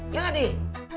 iya nggak dih